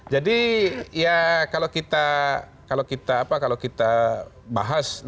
jadi ya kalau kita bahas nama nama yang ada sekarang